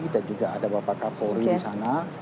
dan juga ada bapak kapolri di sana